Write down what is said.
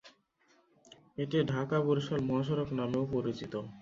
এটি ঢাকা-বরিশাল মহাসড়ক নামেও পরিচিত।